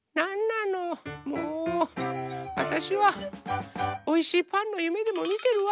あたしはおいしいパンのゆめでもみてるわ。